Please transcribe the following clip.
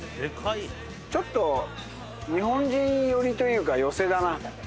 ちょっと日本人寄りというか。